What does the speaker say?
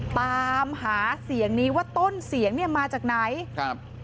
ตามหาเสียงนี้ว่าต้นเสียงมาจากไหน